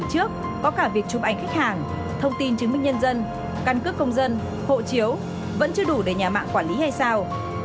trước có cả việc chụp ảnh khách hàng thông tin chứng minh nhân dân căn cước công dân hộ chiếu vẫn chưa đủ để nhà mạng quản lý hay sao